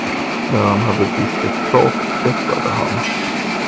När han hade diskat klart tvättade han.